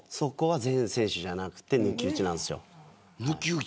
それは全選手じゃなくて抜き打ちです。